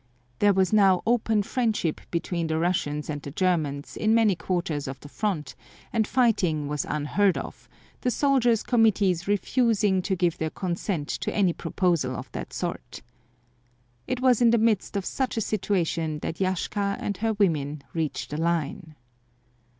There was now open friendship between the Russians and the Germans in many quarters of the front, and fighting was unheard of, the soldiers' committees refusing to give their consent to any proposal of that sort. It was in the midst of such a situation that Yashka and her women reached the line.